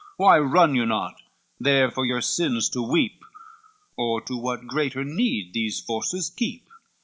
Why run you not, there for your sins to weep Or to what greater need these forces keep?"